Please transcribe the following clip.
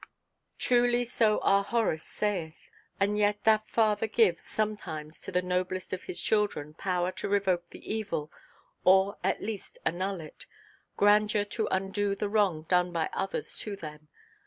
Truly so our Horace saith. And yet that Father gives, sometimes, to the noblest of his children, power to revoke the evil, or at least annul it,—grandeur to undo the wrong done by others to them.